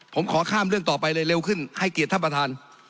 ผมขอข้ามเรื่องต่อไปเลยเร็วขึ้นให้เกียรติท่านประธาน